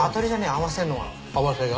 合わせが？